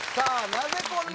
なぜこんなにＢ